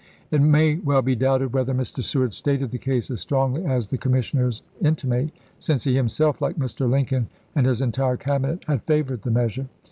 It may well be doubted whether Mr. Seward stated the case as strongly as the commissioners intimate, since he himself, like Mr. Lincoln and his entire cabinet, had favored the measure.